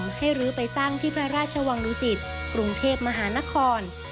กระหม่อมให้รื้อไปสร้างที่พระราชวังลูกศิษย์กรุงเทพมหานคร